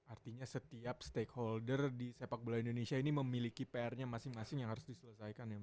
artinya setiap stakeholder di sepak bola indonesia ini memiliki pr nya masing masing yang harus diselesaikan